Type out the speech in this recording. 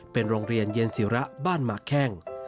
เป็นโรงเรียนเย็นศิระบ้านหมากแข้ง